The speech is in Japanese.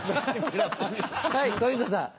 はい小遊三さん。